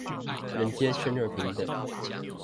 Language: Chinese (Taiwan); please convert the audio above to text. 人皆生而平等